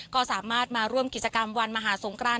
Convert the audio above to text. ก็สามารถมาร่วมกิจกรรมวันมหาสงคราน